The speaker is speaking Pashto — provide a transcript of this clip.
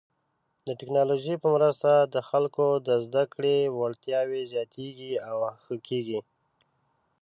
د ټکنالوژۍ په مرسته د خلکو د زده کړې وړتیاوې زیاتېږي او ښه کیږي.